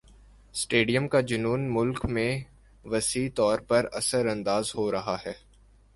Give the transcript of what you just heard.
stadium کا جنون مُلک میں وسیع طور پر اثرانداز ہو رہا ہے